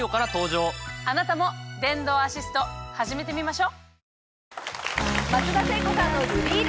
あなたも電動アシスト始めてみましょ！